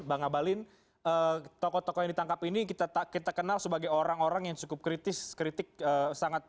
bang abalin tokoh tokoh yang ditangkap ini kita kenal sebagai orang orang yang cukup kritis kritik sangat